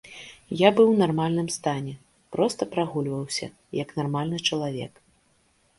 Я быў у нармальным стане, проста прагульваўся, як нармальны чалавек.